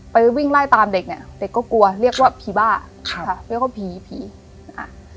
ไปวิ่งไล่ตามเด็กเนี้ยเด็กก็กลัวเรียกว่าผีบ้าครับค่ะเรียกว่าผีผีอ่า